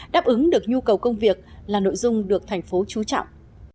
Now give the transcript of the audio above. đáp ứng được nhu cầu công việc là nội dung được thành phố trú trọng